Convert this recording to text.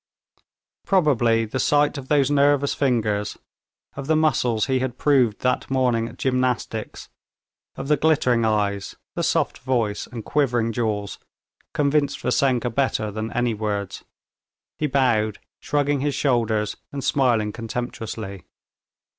Probably the sight of those nervous fingers, of the muscles he had proved that morning at gymnastics, of the glittering eyes, the soft voice, and quivering jaws, convinced Vassenka better than any words. He bowed, shrugging his shoulders, and smiling contemptuously.